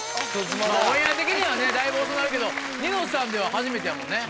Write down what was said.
オンエア的にはねだいぶ遅なるけど『ニノさん』では初めてやもんね。